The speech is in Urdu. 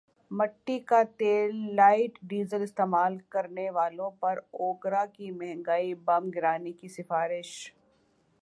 مٹی کا تیللائٹ ڈیزل استعمال کرنے والوں پر اوگرا کی مہنگائی بم گرانے کی سفارش